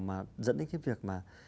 mà dẫn đến cái việc mà